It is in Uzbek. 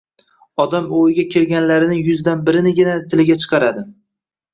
Odam o‘yiga kelganlarining yuzdan birinigina tiliga chiqaradi